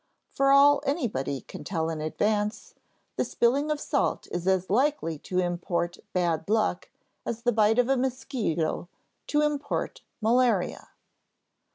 For all anybody can tell in advance, the spilling of salt is as likely to import bad luck as the bite of a mosquito to import malaria.